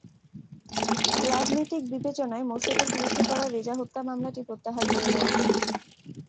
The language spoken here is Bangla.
রাজনৈতিক বিবেচনায় মোর্শেদের বিরুদ্ধে করা রেজা হত্যা মামলাটি প্রত্যাহার করে নেওয়া হয়।